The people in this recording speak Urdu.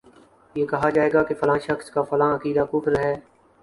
یہ کہا جائے گا کہ فلاں شخص کا فلاں عقیدہ کفر ہے